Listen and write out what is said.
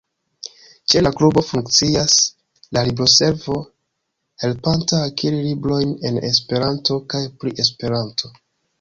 Ĉe la klubo funkcias la libroservo, helpanta akiri librojn en Esperanto kaj pri Esperanto.